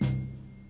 dia udah berangkat